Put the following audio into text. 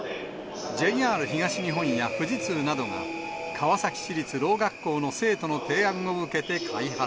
ＪＲ東日本や富士通などが、川崎市立聾学校の生徒の提案を受けて開発。